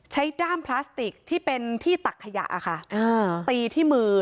ด้ามพลาสติกที่เป็นที่ตักขยะค่ะอ่าตีที่มือ